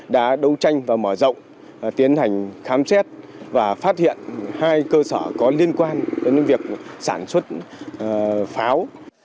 đã đấu tranh và mở rộng tiến hành khám xét và phát hiện hai cơ sở có liên quan đến việc sản xuất pháo